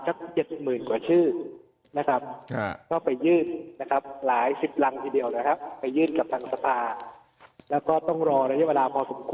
ท่านชื่อไปยื่นกับทางศาต